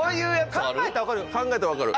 考えたら分かるよ。